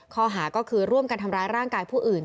ข้อหาก็คือร่วมกันทำร้ายร่างกายผู้อื่น